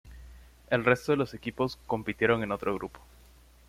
El resto de los equipos compitieron en otro grupo.